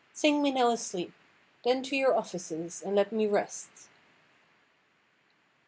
Sing me now asleep; Then to your offices, and let me rest."